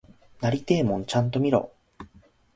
なりてえもんちゃんと見ろ！